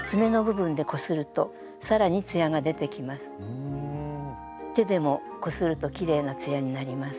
このときに手でもこするときれいなツヤになります。